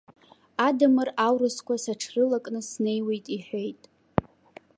Адамыр аурысқәа сыҽрылакны снеиуеит иҳәеит.